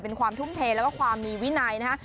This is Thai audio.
เป็นความทุ่มเทแล้วก็ความมีวินัยนะฮะ